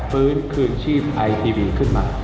ฟื้นคืนชีพไอทีวีขึ้นมา